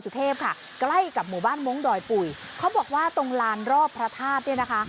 สุเทพค่ะใกล้กับหมู่บ้านมงค์ดอยปุ๋ยเขาบอกว่าตรงลานรอบพระธาตุเนี่ยนะคะ